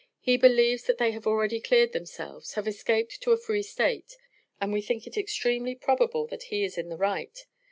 He believes that they have already cleared themselves have escaped to a Free State, and we think it extremely probable that he is in the right.